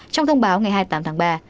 trong thông báo ngày hai mươi tám tháng ba